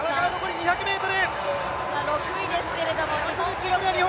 ６位ですけれども、日本記録。